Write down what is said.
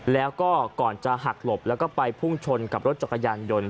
แล้วก็ก่อนจะหักหลบแล้วก็ไปพุ่งชนกับรถจักรยานยนต์